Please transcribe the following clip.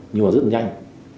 nhưng mà rất là nhanh